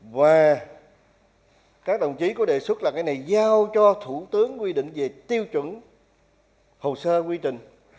và các đồng chí có đề xuất là cái này giao cho thủ tướng quy định về tiêu chuẩn hồ sơ quy trình